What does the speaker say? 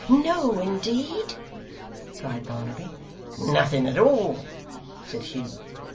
'No, indeed?' cried Barnaby. 'Nothing at all,' said Hugh.